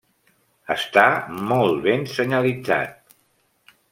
Està molt ben senyalitzat.